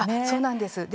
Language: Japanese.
そうなんです。